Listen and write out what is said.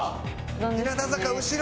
日向坂後ろ！